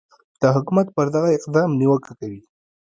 د حکومت پر دغه اقدام نیوکه کوي